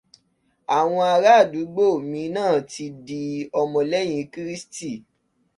Àwọn ará àdúgbò mi náà ti di ọmọlẹ́yìn Krístì